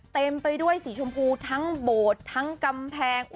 เต็มไปด้วยสีชมพูทั้งโบสถ์ทั้งกำแพง